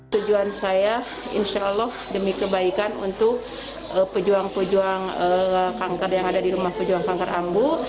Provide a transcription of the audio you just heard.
tujuan saya insya allah demi kebaikan untuk pejuang pejuang kanker yang ada di rumah pejuang kanker ambu